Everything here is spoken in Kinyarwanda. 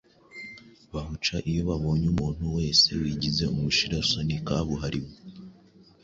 bawuca iyo babonye umuntu wese wigize umushirasoni kabuhariwe,